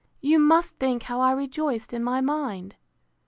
—You must think how I rejoiced in my mind.